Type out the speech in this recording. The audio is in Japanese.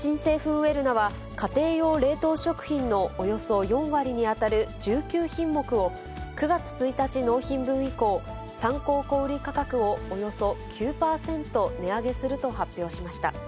ウェルナは家庭用冷凍食品のおよそ４割に当たる１９品目を９月１日納品分以降、参考小売り価格をおよそ９％値上げすると発表しました。